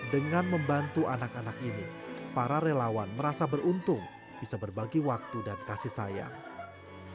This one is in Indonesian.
dengan membantu anak anak ini para relawan merasa beruntung bisa berbagi waktu dan kasih sayang